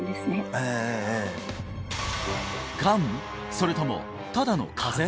それともただの風邪？